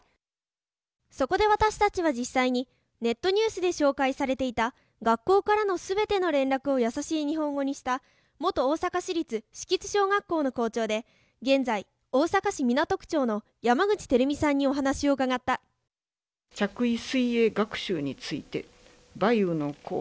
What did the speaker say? そこで私たちは実際にネットニュースで紹介されていた学校からの全ての連絡をやさしい日本語にした元大阪市立敷津小学校の校長で現在大阪市港区長の山口照美さんにお話を伺った「着衣水泳学習について梅雨の候